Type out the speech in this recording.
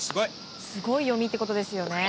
すごい読みってことですよね。